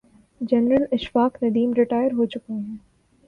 General Ashfaq Nadeem retire ہو چکے ہیں۔